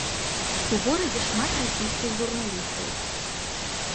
У горадзе шмат расійскіх журналістаў.